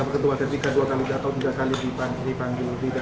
ketua ketika dua kali datang dua kali dipanggil